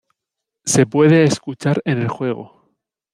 Se puede escuchar en el juego.